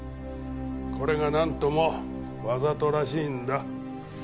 これがなんともわざとらしいんだ。